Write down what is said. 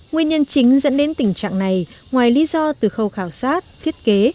nguyên nhân chính dẫn đến tình trạng này ngoài lý do từ khâu khảo sát thiết kế